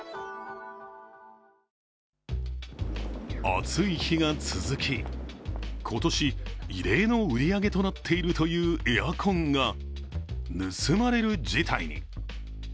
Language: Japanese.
暑い日が続き、今年、異例の売り上げになっているというエアコンがぬすまれる事態に。